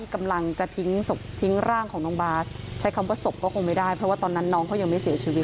กำลังจะทิ้งศพทิ้งร่างของน้องบาสใช้คำว่าศพก็คงไม่ได้เพราะว่าตอนนั้นน้องเขายังไม่เสียชีวิต